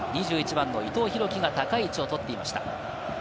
伊藤洋輝が高い位置を取っていました。